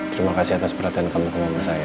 terima kasih atas perhatian kamu ke mama saya ya